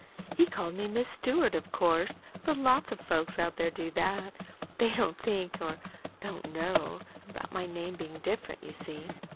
He called me Miss Stewart, of course but lots of folks out there do that. They don't think, or don't know, about my name being different, you see.